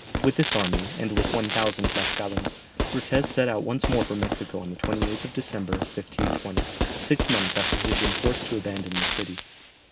With this small army, and with one thousand Tlascalans, Cortès set out once more for Mexico on the 28th of December, 1520, six months after he had been forced to abandon the city.